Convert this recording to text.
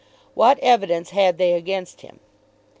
What evidence had they against him?